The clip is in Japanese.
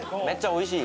おいしい？